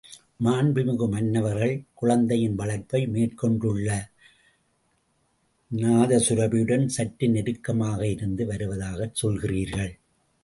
மாண்புமிகு மன்னவர்கள் குழந்தையின் வளர்ப்பை மேற்கொண்டுள்ள நாதசுரபியுடன் சற்று நெருக்கமாக இருந்து வருவதாகச் சொல்கிறீர்கள்.